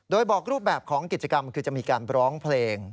โดยบอกรูปแบบของกิจกรรมคือจะมีการร้องเพลง